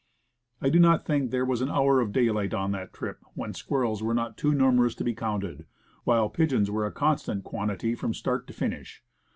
I do not think there was an hour of daylight on the trip when squirrels were not too numerous to be counted, while pigeons were a constant quantity from start to finish.